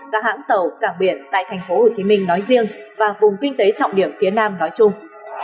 các hãng tàu cảng biển tại tp hcm nói riêng và vùng kinh tế trọng điểm phía nam nói chung